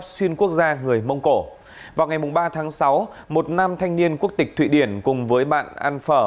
xuyên quốc gia người mông cổ vào ngày ba tháng sáu một nam thanh niên quốc tịch thụy điển cùng với bạn ăn phở